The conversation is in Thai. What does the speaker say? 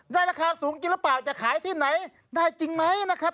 ได้ราคาสูงกินแล้วปากจะขายที่ไหนได้จริงไหมนะครับ